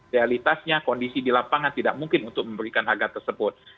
realitasnya kondisi di lapangan tidak mungkin untuk memberikan harga tersebut